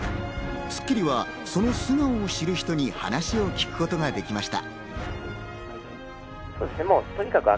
『スッキリ』は、その素顔を知る人に話を聞くことができました。